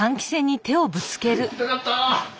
痛かった！